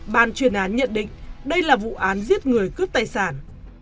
ban chuyên án nhận định đây là vụ án giết người cướp tài sản